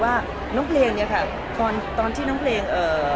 ใช่ค่ะเพื่อนมายถึงว่าน้องเพลง